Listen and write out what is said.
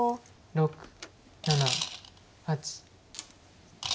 ６７８。